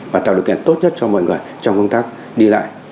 và tạo được kết tốt nhất cho mọi người trong công tác đi lại